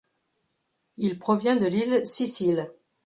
Il provient de l'île Sicile.